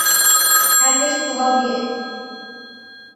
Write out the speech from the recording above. Her tişt buha bûye.